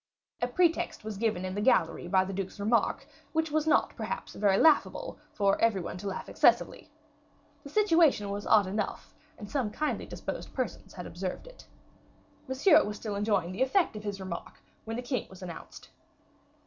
A pretext was given in the gallery by the duke's remark, which was not, perhaps, very laughable, for every one to laugh excessively. The situation was odd enough, and some kindly disposed persons had observed it. Monsieur was still enjoying the effect of his remark, when the king was announced.